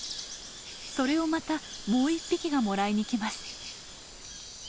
それをまたもう１匹がもらいに来ます。